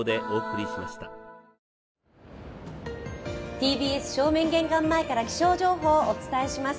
ＴＢＳ正面玄関前から気象情報をお伝えします。